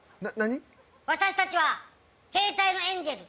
私たちは携帯のエンゼル。